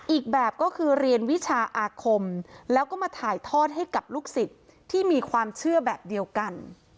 อีกแบบก็คือเรียนวิชาอาคมแล้วก็มาถ่ายทอดให้กับลูกศิษย์ที่มีความเชื่อแบบเดียวกัน